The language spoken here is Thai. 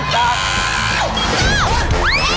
สามสิบสิบ